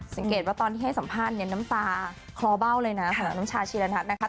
สังเกตว่าตอนที่ให้สัมภาษณ์เนี่ยน้ำตาคลอเบ้าเลยนะของน้องชาชีระนัทนะคะ